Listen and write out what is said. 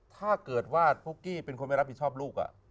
ถ้าเกิดว่าปุ๊กกี้เป็นคนไม่รับผิดชอบลูก